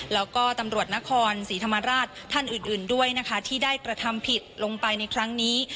แล้วก็ตำรวจนครศรีธรรมราชท่านอื่นด้วยนะคะที่ได้กระทำผิดลงไปในครั้งนี้